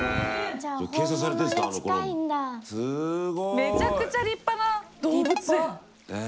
めちゃくちゃ立派な動物園。